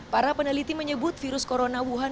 para peneliti menyebut virus corona wuhan